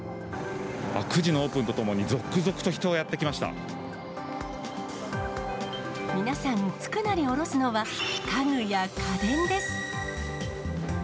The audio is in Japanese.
９時のオープンとともに、皆さん、着くなり下すのは、家具や家電です。